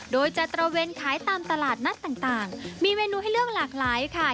โดยจะตระเวนขายตามตลาดนัดต่างมีเมนูให้เลือกหลากหลายค่ะ